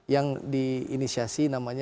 yang diinisiasi namanya